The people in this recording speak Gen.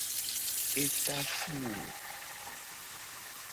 E ta fu wo.